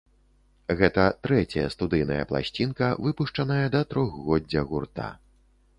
Гэта трэцяя студыйная пласцінка, выпушчаная да трохгоддзя гурта.